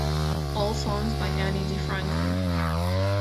All songs by Ani DiFranco.